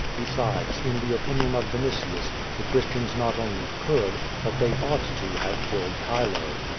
Besides, in the opinion of Vinitius, the Christians not only could, but they ought to have killed Chilo.